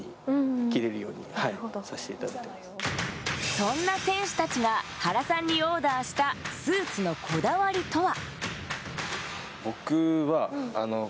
そんな選手たちが原さんにオーダーしたスーツのこだわりとは？